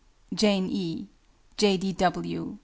JANE E. J. D. W.